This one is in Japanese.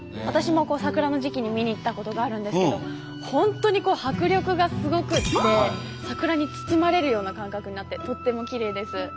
私も桜の時期に見に行ったことがあるんですけど本当に迫力がすごくて桜に包まれるような感覚になってとってもきれいです。